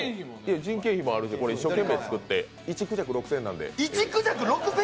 人件費もあるし、これ一生懸命作ってくれて１クジャク、６０００円なので。